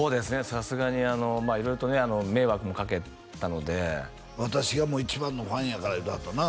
さすがに色々とね迷惑もかけたので私がもう一番のファンやから言うてはったな？